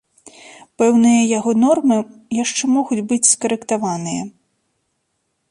Пэўныя яго нормы яшчэ могуць быць скарэктаваныя.